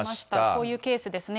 こういうケースですね。